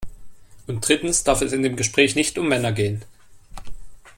Und drittens darf es in dem Gespräch nicht um Männer gehen.